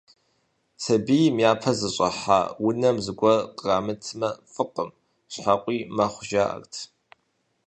Сабийр япэ зыщӀыхьа унэм зыгуэр кърамытмэ, фӀыкъым, щхьэкъуий мэхъу, жаӀэрт.